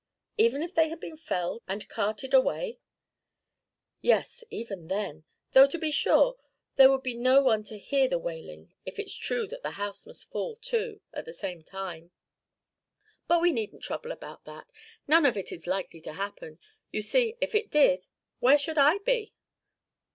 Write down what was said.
'Even if they had been felled and carted away?' 'Yes, even then; though, to be sure, there would be no one to hear the wailing if it's true that the house must fall, too, at the same time. But we needn't trouble about that; none of it is likely to happen. You see, if it did, where should I be?'